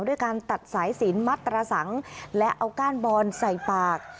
ด้วยการตัดสายสินมัดตระสังและเอาก้านบอนใส่ปาก